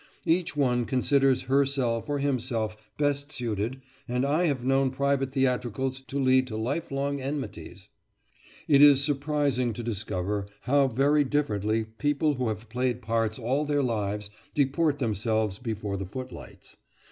Each one considers herself or himself best suited, and I have known private theatricals to lead to lifelong enmities. It is surprising to discover how very differently people who have played parts all their lives deport themselves before the footlights.